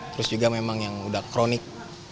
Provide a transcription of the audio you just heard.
terus juga memang yang udah kronik